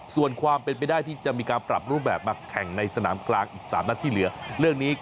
ส่วนความเป็นไปได้ที่จะมีการปรับรูปแบบมาแข่งในสนามกลางอีก๓นัดที่เหลือเรื่องนี้